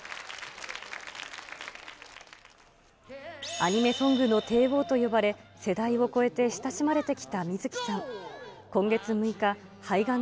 アニメソングの帝王と呼ばれ、世代を超えて親しまれてきた水木さん。